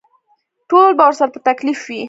ټول به ورسره په تکلیف وي.